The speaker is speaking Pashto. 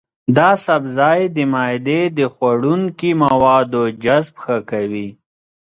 دا سبزی د معدې د خوړنکي موادو جذب ښه کوي.